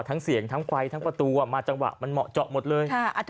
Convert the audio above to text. เสียงทั้งไฟทั้งประตูมาจังหวะมันเหมาะเจาะหมดเลย